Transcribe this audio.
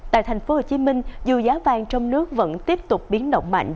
tại thành phố hồ chí minh dù giá vàng trong nước vẫn tiếp tục biến động mạnh